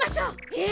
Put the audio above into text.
え！